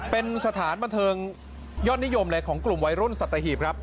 เป็นสถานบันเทิงยอดนิยมเลยของกลุ่มวัยรุ่นสัตหีบครับ